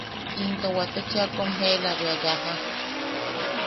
Into wate cheʼa kom jeela bea yaja.